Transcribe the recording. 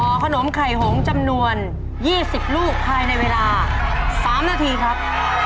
ขนมไข่หงจำนวน๒๐ลูกภายในเวลา๓นาทีครับ